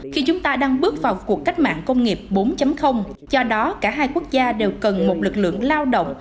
khi chúng ta đang bước vào cuộc cách mạng công nghiệp bốn do đó cả hai quốc gia đều cần một lực lượng lao động